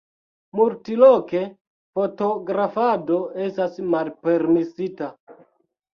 Multloke fotografado estas malpermesita.